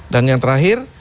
dan yang terakhir